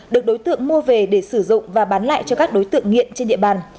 được đối tượng mua về để sử dụng và bán lại cho các đối tượng nghiện trên địa bàn